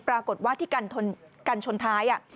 ปรากฏว่าที่กันชนท้าย